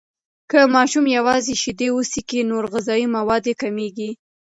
که ماشوم یوازې شیدې وڅښي، نور غذایي مواد یې کمیږي.